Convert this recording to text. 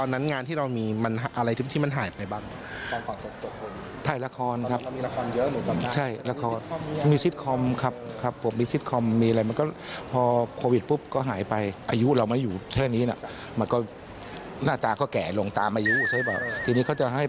มันอ้วนมันอะไรอย่างนี้